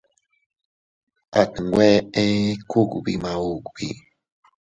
At nwe ee kugbi maubi.